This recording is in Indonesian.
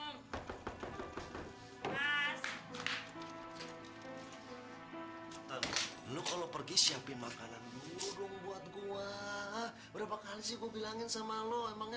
halo lo pergi siapin makanan burung buat gue berapa kali sih gue bilangin sama lo emangnya